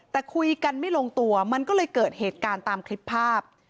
แต่คุยกันไม่ลงตัวมันก็เลยเกิดเหตุการณ์ตามคลิปภาพ